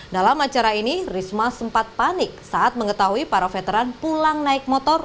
dalam acara ini risma sempat panik saat mengetahui para veteran pulang naik motor